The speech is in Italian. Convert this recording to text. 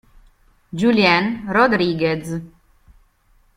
Julien Rodriguez